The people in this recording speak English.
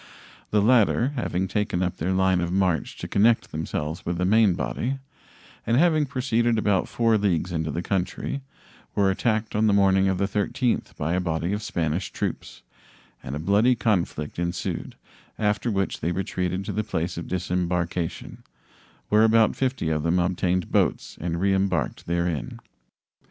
The latter, having taken up their line of march to connect themselves with the main body, and having proceeded about 4 leagues into the country, were attacked on the morning of the 13th by a body of Spanish troops, and a bloody conflict ensued, after which they retreated to the place of disembarkation, where about 50 of them obtained boats and reembarked therein.